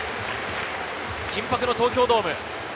緊迫の東京ドーム。